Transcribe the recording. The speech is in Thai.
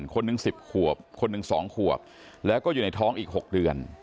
คนหนึ่ง๑๐ขวบคนหนึ่ง๒ขวบแล้วก็อยู่ในท้องอีก๖เดือน